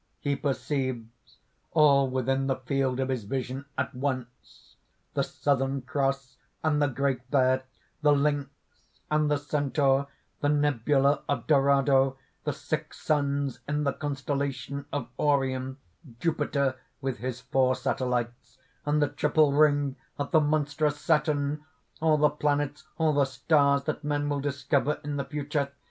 He perceives, all within the field of his vision at once, the Southern Cross and the Great Bear, the Lynx and the Centaur, the nebula of Dorado, the six suns in the constellation of Orion, Jupiter with his four satellites, and the triple ring of the monstrous Saturn! all the planets, all the stars that men will discover in the future.